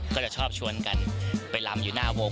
ก็จะชอบชวนกันไปลำอยู่หน้าวง